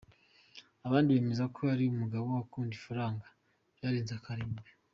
Abandi bemeza ko ari umugabo ukunda ifaranga byarenze akarimbi.